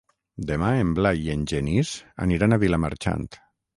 Demà en Blai i en Genís aniran a Vilamarxant.